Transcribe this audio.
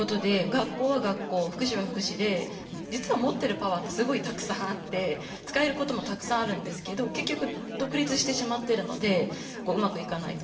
学校は学校福祉は福祉で実は持ってるパワーってすごいたくさんあって使えることもたくさんあるんですけど結局独立してしまっているのでうまくいかない。